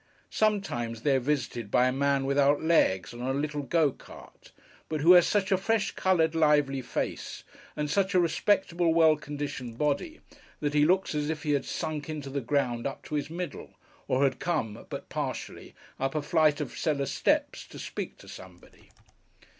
Sometimes, they are visited by a man without legs, on a little go cart, but who has such a fresh coloured, lively face, and such a respectable, well conditioned body, that he looks as if he had sunk into the ground up to his middle, or had come, but partially, up a flight of cellar steps to speak to somebody.